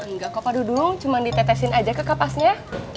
enggak kok padudung cuman ditetesin aja ke kapasnya